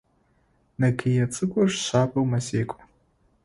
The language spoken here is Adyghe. Нэгые цӏыкӏур шъабэу мэзекӏо.